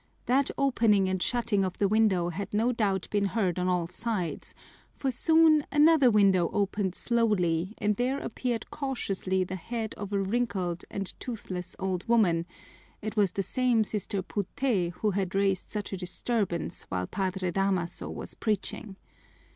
That opening and shutting of the window had no doubt been heard on all sides, for soon another window opened slowly and there appeared cautiously the head of a wrinkled and toothless old woman: it was the same Sister Puté who had raised such a disturbance while Padre Damaso was preaching.